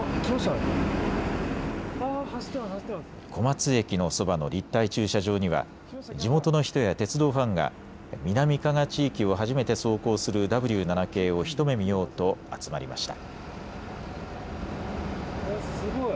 小松駅のそばの立体駐車場には地元の人や鉄道ファンが南加賀地域を初めて走行するＷ７系を一目見ようと集まりました。